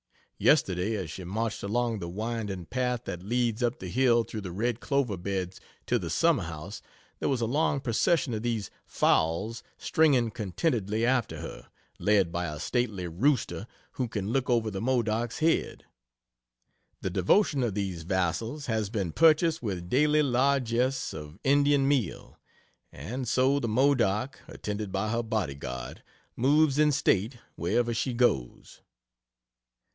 Yesterday as she marched along the winding path that leads up the hill through the red clover beds to the summer house, there was a long procession of these fowls stringing contentedly after her, led by a stately rooster who can look over the Modoc's head. The devotion of these vassals has been purchased with daily largess of Indian meal, and so the Modoc, attended by her bodyguard, moves in state wherever she goes.